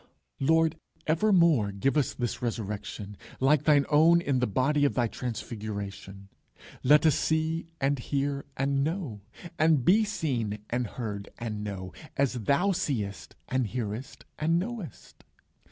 Lord, evermore give us this Resurrection, like thine own in the body of thy Transfiguration. Let us see and hear, and know, and be seen, and heard, and known, as thou seest, hearest, and knowest.